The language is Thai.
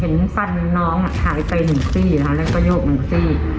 เห็นฟันน้องอ่ะหายไปหนึ่งสี่นะฮะแล้วก็โยบหนึ่งสี่